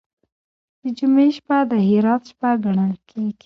د جمعې شپه د خیرات شپه ګڼل کیږي.